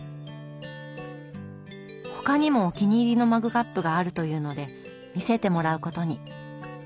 他にもお気に入りのマグカップがあるというので見せてもらうことに。